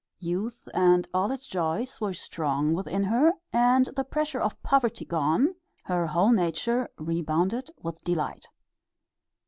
Youth and all its joys were strong within her, and the pressure of poverty gone, her whole nature rebounded with delight.